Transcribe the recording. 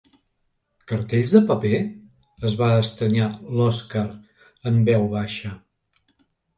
Cartells de paper? —es va estranyar l'Oskar, en veu baixa.